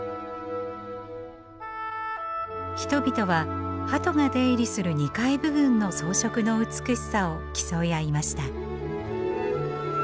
人々はハトが出入りする２階部分の装飾の美しさを競い合いました。